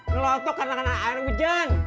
enggak ngotok karena air bejan